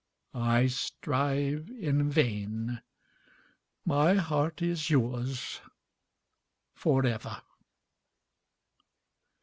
I strive in vain my heart is yours for ever.